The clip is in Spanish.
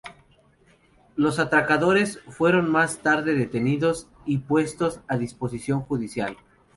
Los atracadores fueron más tarde detenidos y puestos a disposición judicial.